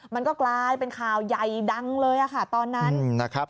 มันก็กลายเป็นข่าวใหญ่ดังเลยตอนนั้น